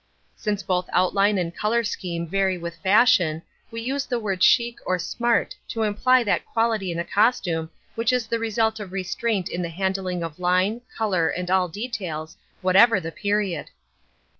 Since both outline and colour scheme vary with fashion we use the word chic or smart to imply that quality in a costume which is the result of restraint in the handling of line, colour and all details, whatever the period.